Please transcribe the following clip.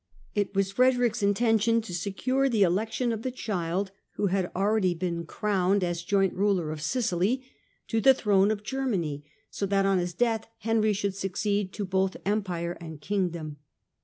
It was Frederick's intention to secure the election of the child, who had already been crowned THE ADVENTURE AND THE GOAL 51 as joint ruler of Sicily, to the throne of Germany, so that on his death Henry should succeed to both Empire and Kingdom.